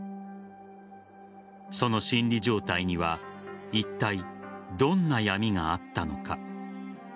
その心理状態にはいったいどんな闇があったのか。